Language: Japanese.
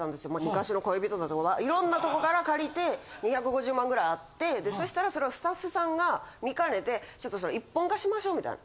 昔の恋人とかいろんなとこから借りて２５０万ぐらいあってでそしたらスタッフさんが見かねてちょっとそれ一本化しましょうみたいな。